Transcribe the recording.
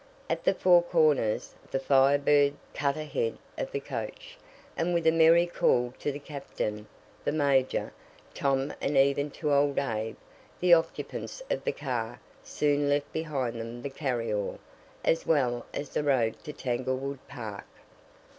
At the Four Corners the Fire Bird cut ahead of the coach, and with a merry call to the captain, the major, Tom and even to old Abe, the occupants of the car soon left behind them the carry all, as well as the road to Tanglewood Park.